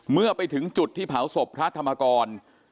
เมื่อไปถึงจุดที่เผาศพพระธรรมกร